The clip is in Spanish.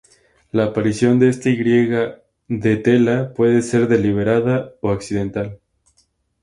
La aparición de esta Y de tela puede ser deliberada o accidental.